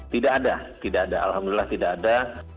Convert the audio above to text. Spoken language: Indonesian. tidak ada tidak ada alhamdulillah tidak ada